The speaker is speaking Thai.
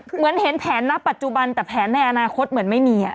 เหมือนเห็นแผนณปัจจุบันแต่แผนในอนาคตเหมือนไม่มี